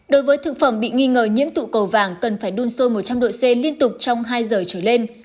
đối với thực phẩm bị nghi ngờ nhiễm tụ cầu vàng cần phải đun sôi một trăm linh độ c liên tục trong hai giờ trở lên